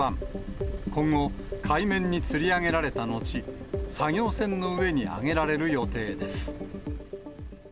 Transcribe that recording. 今後、海面につり上げられた後、作業船の上に揚げられる予定です。